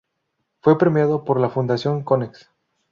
Fue premiado por la Fundación Konex.